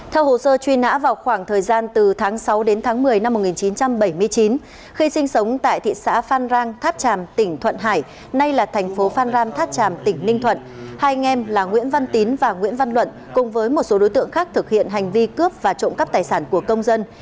theo hồ sơ truy nã vào khoảng thời gian từ tháng sáu đến tháng một mươi năm một nghìn chín trăm bảy mươi chín khi sinh sống tại thị xã phan rang tháp tràm tỉnh thuận hải nay là thành phố phan rang tháp tràm tỉnh ninh thuận hai anh em là nguyễn văn tín và nguyễn văn luận cùng với một số đối tượng khác thực hiện hành vi cướp và trộm cắp tài sản của công dân